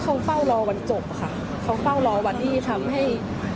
เขาเฝ้ารอวันจบค่ะเขาเฝ้ารอวันที่ทำให้